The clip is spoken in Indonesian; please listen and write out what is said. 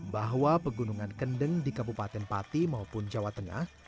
bahwa pegunungan kendeng di kabupaten pati maupun jawa tengah